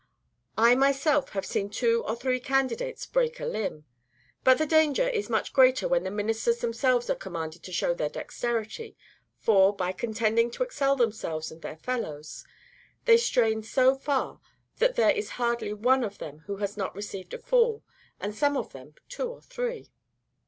I myself have seen two or three candidates break a limb. But the danger is much greater when the ministers themselves are commanded to show their dexterity; for, by contending to excel themselves and their fellows, they strain so far, that there is hardly one of them who has not received a fall, and some of them two or three.